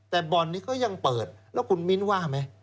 แต่บ่อนนี้ก็ยังเปิดแล้วคุณมิ้นว่าไหม